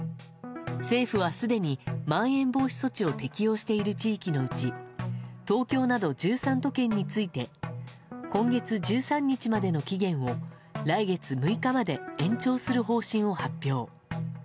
政府はすでにまん延防止措置を適用している地域のうち、東京など１３都県について、今月１３日までの期限を、来月６日まで延長する方針を発表。